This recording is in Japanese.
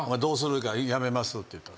言うから「辞めます」って言ったんです。